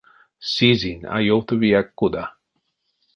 Сизинь а ёвтавияк кода.